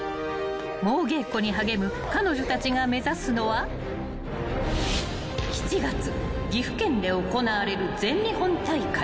［猛稽古に励む彼女たちが目指すのは７月岐阜県で行われる］